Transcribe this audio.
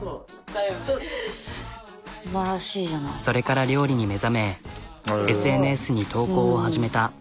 それから料理に目覚めＳＮＳに投稿を始めた。